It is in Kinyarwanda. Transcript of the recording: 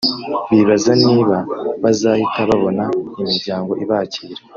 bibaza niba bazahita babona imiryango ibakira